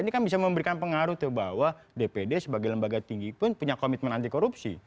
ini kan bisa memberikan pengaruh tuh bahwa dpd sebagai lembaga tinggi pun punya komitmen anti korupsi